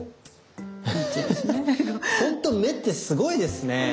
ほんと目ってすごいですね。